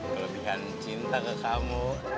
kelebihan cinta ke kamu